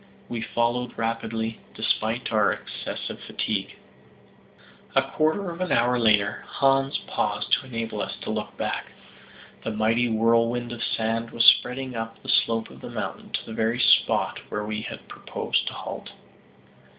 We followed rapidly, despite our excessive fatigue. A quarter of an hour later Hans paused to enable us to look back. The mighty whirlwind of sand was spreading up the slope of the mountain to the very spot where we had proposed to halt.